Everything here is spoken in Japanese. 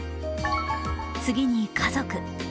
次に「家族」。